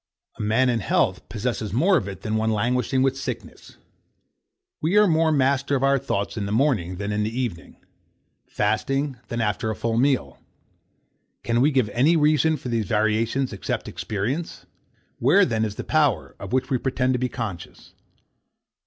A man in health possesses more of it than one languishing with sickness. We are more master of our thoughts in the morning than in the evening: Fasting, than after a full meal. Can we give any reason for these variations, except experience? Where then is the power, of which we pretend to be conscious?